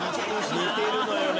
似てるのよね。